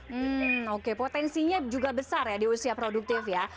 hmm oke potensinya juga besar ya di usia produktif ya